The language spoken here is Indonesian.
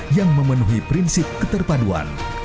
yang memenuhi prinsip keterpaduan